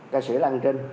ca sĩ lan trinh